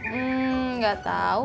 hmm gak tahu